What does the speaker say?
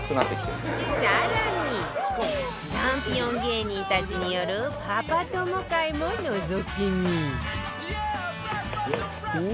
更にチャンピオン芸人たちによるパパ友会ものぞき見